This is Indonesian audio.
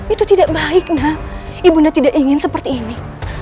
itu tidak baik nga ibu nda tidak ingin seperti ini